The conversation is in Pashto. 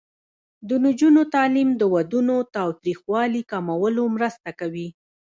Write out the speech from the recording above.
د نجونو تعلیم د ودونو تاوتریخوالي کمولو مرسته کوي.